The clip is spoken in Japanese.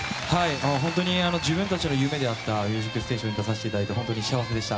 本当に自分たちの夢であった「ミュージックステーション」に出させていただいて本当に幸せでした。